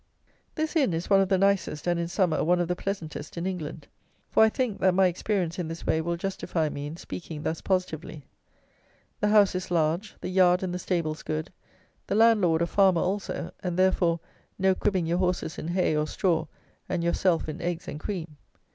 This inn is one of the nicest, and, in summer, one of the pleasantest, in England; for, I think, that my experience in this way will justify me in speaking thus positively. The house is large, the yard and the stables good, the landlord a farmer also, and, therefore, no cribbing your horses in hay or straw and yourself in eggs and cream.